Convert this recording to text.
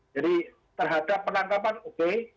jadi terhadap penangkapan oke